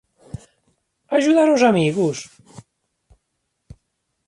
Axudar ós amigos?